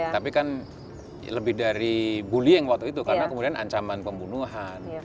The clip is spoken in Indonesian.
tapi kan lebih dari bullying waktu itu karena kemudian ancaman pembunuhan